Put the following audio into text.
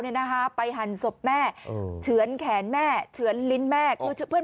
น่ะฮะไปหันสบแม่เฉยเนี้ยแหมแหล่งลิ้นแม่หรือเพื่อน